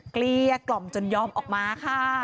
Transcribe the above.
เกลี้ยกล่อมจนยอมออกมาค่ะ